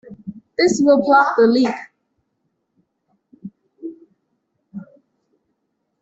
This will plug the leak.